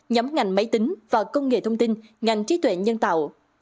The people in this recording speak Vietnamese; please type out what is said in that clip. nhóm ngành máy tính và công nghệ thông tin ngành trí tuệ nhân tạo